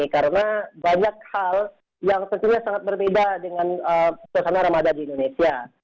karena banyak hal yang tentunya sangat berbeda dengan suasana ramadan di indonesia